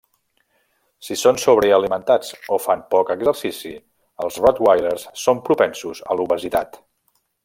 Si són sobrealimentats o fan poc exercici els rottweilers són propensos a l'obesitat.